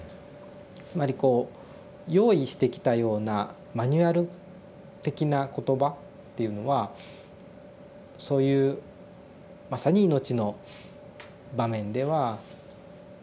つまりこう用意してきたようなマニュアル的な言葉っていうのはそういうまさに命の場面では通じるはずがない。